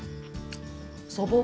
素朴。